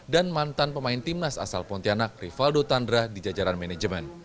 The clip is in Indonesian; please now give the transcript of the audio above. dan mantan pemain timnas asal pontianak rivaldo tandra di jajaran manajemen